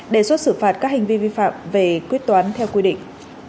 đề xuất xử phạt các hành vi vi phạm về quyết toán theo quy định